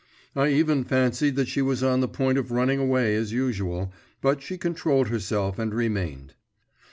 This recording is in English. I even fancied that she was on the point of running away as usual, but she controlled herself and remained.